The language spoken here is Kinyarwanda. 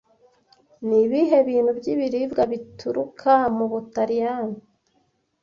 Nibihe bintu byibiribwa bituruka mubutaliyani